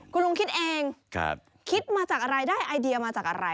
คุณลุงคิดเองคิดมาจากอะไรได้ไอเดียมาจากอะไร